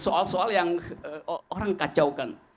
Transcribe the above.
soal soal yang orang kacaukan